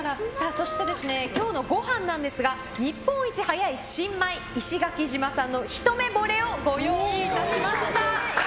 そして、今日のご飯なんですが日本一早い新米、石垣島産のひとめぼれをご用意いたしました。